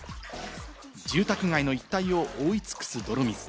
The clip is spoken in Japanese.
住宅街の一帯を覆い尽くす泥水。